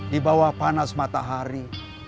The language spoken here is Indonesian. di bawah panas matahari